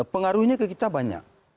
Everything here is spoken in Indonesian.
pengaruhnya ke kita banyak